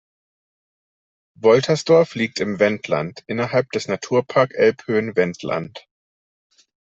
Woltersdorf liegt im Wendland innerhalb des Naturpark Elbhöhen-Wendland.